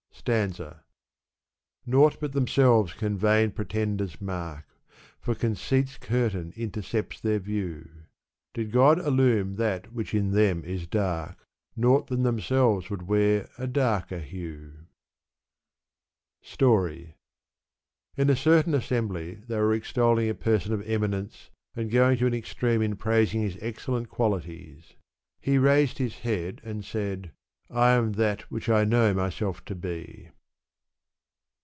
Stafua. Naught but themselves can vain pretenders mark. For conceit's curtain intercepts their view. Did God illume that which in them is dark, Naught than themselves would wear a darker hue. Story. In a certain assembly they were extolling a person of eminence, and going to an extreme in praising his excellent qualities. He raised his head, and said, *' I am that which I know myself to be."